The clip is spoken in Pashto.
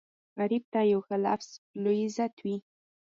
غریب ته یو ښه لفظ لوی عزت وي